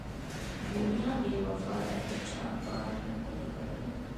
دنیا بې وفا ده هېچا بار نه دی تړلی.